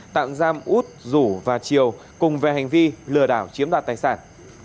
tham út rủ và triều cùng về hành vi lừa đảo chiếm đạt tài sản